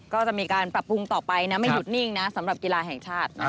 ก็จะมีการปรับปรุงต่อไปนะไม่หยุดนิ่งนะสำหรับกีฬาแห่งชาติ